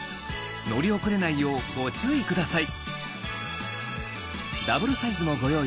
乗り遅れないようご注意ください